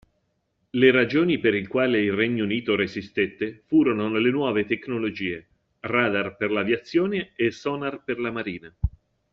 Le ragioni per il quale il Regno Unito resistette furono le nuove tecnologie: radar per l'aviazione e sonar per la marina.